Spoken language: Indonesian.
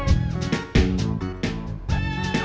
oh apa apa betapa